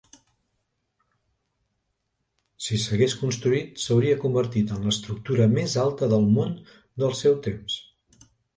Si s'hagués construït, s'hauria convertit en l'estructura més alta del món del seu temps.